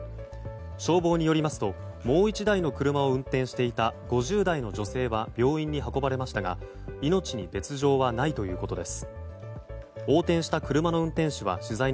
消防によりますともう１台の車を運転していた５０代の女性は病院に運ばれましたが命に別条はないということです。